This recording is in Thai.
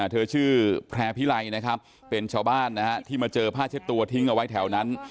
ชื่อแพร่พิไลนะครับเป็นชาวบ้านนะฮะที่มาเจอผ้าเช็ดตัวทิ้งเอาไว้แถวนั้น